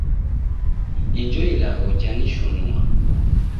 Ijo ilagho janishunua